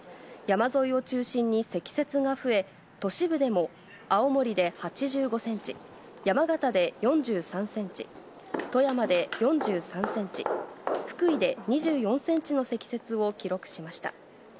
山沿いを中心に積雪が増え、都市部でも、青森で８５センチ、山形で４３センチ、富山で４３センチ、福井で２４センチの積雪を記録しました。